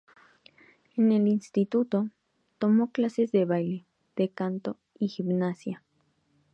En el instituto, tomó clases de baile, de canto, y gimnasia.